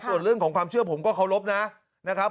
ส่วนเรื่องของความเชื่อผมก็เคารพนะครับ